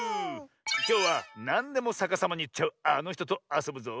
きょうはなんでもさかさまにいっちゃうあのひととあそぶぞ。